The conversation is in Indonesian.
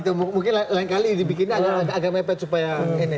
itu mungkin lain kali dibikinnya agak mepet supaya ini